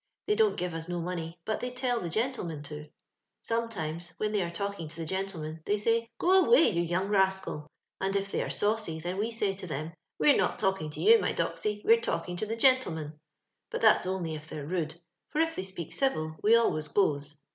They don't give us no money, but they tell the gentlemi'U to. SometinK^ when they are talking to the genUemeu« they say, * Go awajt you young rascal 1 * and if they ftre saucy, then we say to them, * We re not talking to you, my doxy, wete talking to the gentle man,'^— but that's only if they're rude, for if they speak dvil we always goes.